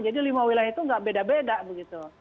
jadi lima wilayah itu nggak beda beda begitu